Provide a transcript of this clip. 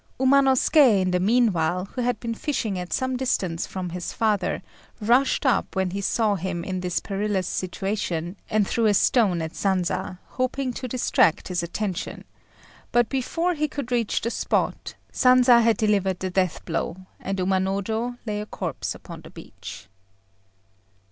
Umanosuké in the meanwhile, who had been fishing at some distance from his father, rushed up when he saw him in this perilous situation and threw a stone at Sanza, hoping to distract his attention; but, before he could reach the spot, Sanza had delivered the death blow, and Umanojô lay a corpse upon the beach.